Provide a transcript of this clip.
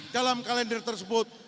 dalam kalender tersebut